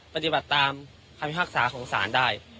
ปฏิบัติตามคำพิพากษาของศาลได้